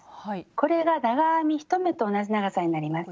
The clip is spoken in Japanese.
これが長編み１目と同じ長さになります。